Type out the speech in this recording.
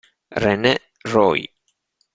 René Roy